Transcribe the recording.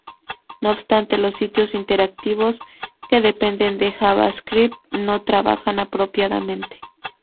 No obstante, los sitios interactivos que dependen de JavaScript no trabajan apropiadamente.